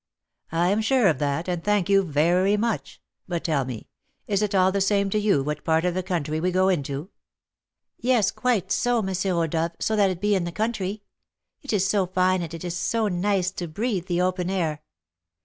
"I am sure of that, and thank you very much. But tell me, is it all the same to you what part of the country we go into?" "Yes, quite so, M. Rodolph, so that it be the country. It is so fine and it is so nice to breathe the open air!